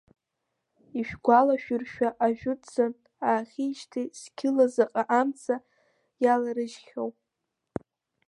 Ишәгәалашәыршәа ажәытәӡан аахижьҭеи зқьыла заҟа амца иаларыжьхьоу!